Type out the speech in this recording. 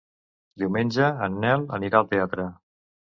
Diumenge en Nel anirà al teatre.